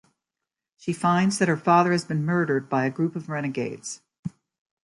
She finds that her father has been murdered by a group of renegades.